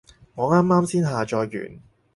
我啱啱先下載完